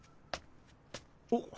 おっ。